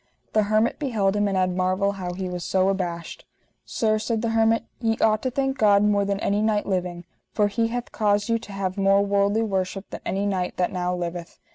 The hermit beheld him and had marvel how he was so abashed. Sir, said the hermit, ye ought to thank God more than any knight living, for He hath caused you to have more worldly worship than any knight that now liveth.